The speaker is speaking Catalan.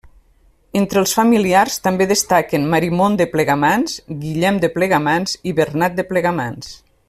Entre els familiars també destaquen Marimon de Plegamans, Guillem de Plegamans i Bernat de Plegamans.